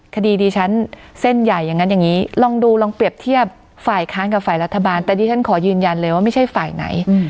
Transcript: คดีดิฉันเส้นใหญ่อย่างนั้นอย่างนี้